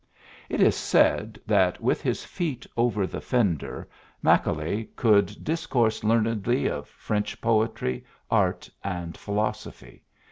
It is said that, with his feet over the fender, Macaulay could discourse learnedly of French poetry, art, and philosophy.